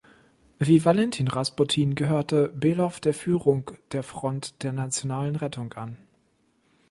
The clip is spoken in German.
Wie Valentin Rasputin, gehörte Below der Führung der Front der Nationalen Rettung an.